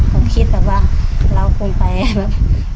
เค้าคิดแบบว่าเรากรุงไปแบบ